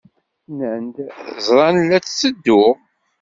Nnan-d ẓran la d-ttedduɣ.